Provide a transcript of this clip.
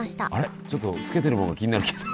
ちょっとつけてるものが気になるけど。